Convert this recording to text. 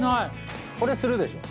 これするでしょ。